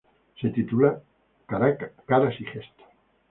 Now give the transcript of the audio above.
Se tituló "Caras y gestos".